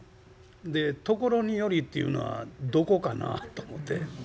で『所により』っていうのはどこかなと思て」。